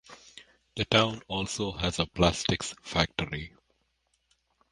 The town also has a plastics factory.